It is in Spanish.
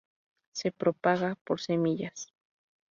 Se propaga por semillas.